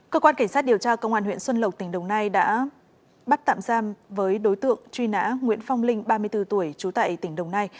cơ quan cảnh sát điều tra công an huyện xuân lộc tỉnh đồng nai đã bắt tạm giam với đối tượng truy nã nguyễn phong linh ba mươi bốn tuổi trú tại tỉnh đồng nai